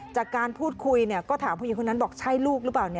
จากการพูดคุยก็ถามผู้หญิงคนนั้นบอกใช่ลูกหรือเปล่า